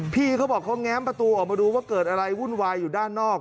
พี่เขาบอกเขาแง้มประตูออกมาดูว่าเกิดอะไรวุ่นวายอยู่ด้านนอก